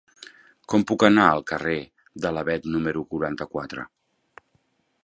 Com puc anar al carrer de l'Avet número quaranta-quatre?